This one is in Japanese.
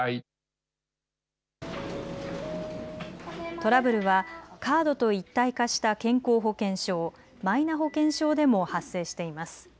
トラブルはカードと一体化した健康保険証マイナ保険証でも発生しています。